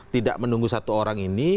tidak menunggu satu orang ini